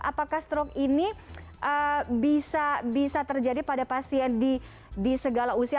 apakah stroke ini bisa terjadi pada pasien di segala usia